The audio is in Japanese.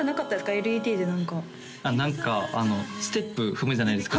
ＬＥＤで何か何かステップ踏むじゃないですか